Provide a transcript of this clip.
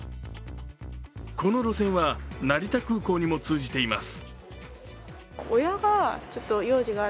この路線は成田空港にも通じています。